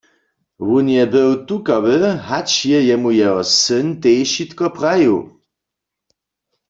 Wón je był tukawy, hač je jemu jeho syn tež wšo prajił.